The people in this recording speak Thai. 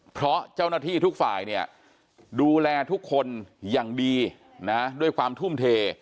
เพราะเจ้าหน้าที่ทุกฝ่ายเนี่ยดูแลทุกคนอย่างดีนะด้วยความทุ่มเท